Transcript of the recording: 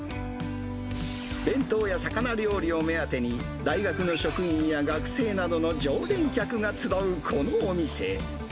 弁当や魚料理を目当てに、大学の職員や学生などの常連客が集うこのお店。